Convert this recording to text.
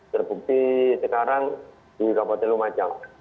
terkikuti sekarang di kabupaten lumacang